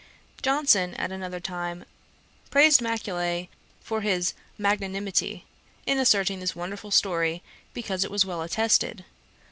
Johnson, at another time, praised Macaulay for his 'magnanimity' in asserting this wonderful story, because it was well attested.